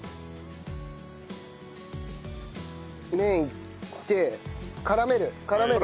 麺いって絡める絡める。